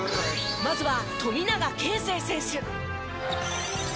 まずは富永啓生選手。